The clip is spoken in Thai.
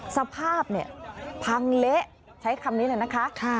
สภาพเนี่ยพังเละใช้คำนี้เลยนะคะ